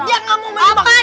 dia gak mau menerima kekalahan